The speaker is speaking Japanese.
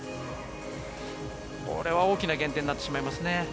これは大きな減点になってしまいますね。